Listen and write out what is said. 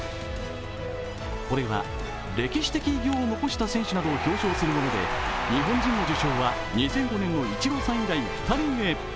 これは歴史的偉業を残した選手などを表彰するもので、日本人の受賞は２００５年のイチローさん以来２人目。